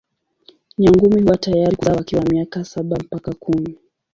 Nyangumi huwa tayari kuzaa wakiwa na miaka saba mpaka kumi.